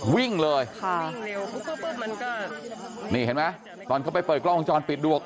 วิ่งเลยค่ะมันก็นี่เห็นไหมตอนเข้าไปเปิดกล้องจรปิดดวก